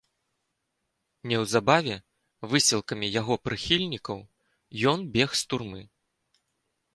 Неўзабаве высілкамі яго прыхільнікаў ён бег з турмы.